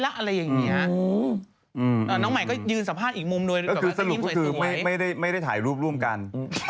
แล้วสรุปก็คือไม่ได้ถ่ายรูปร่วมกัน